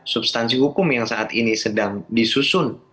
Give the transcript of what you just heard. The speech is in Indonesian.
substansi hukum yang saat ini sedang disusun